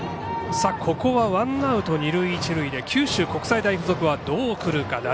ここはワンアウト、二塁一塁で九州国際大付属はどう来るか。